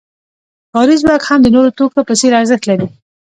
کاري ځواک هم د نورو توکو په څېر ارزښت لري